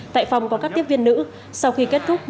tại phòng có các tiếp viên nữ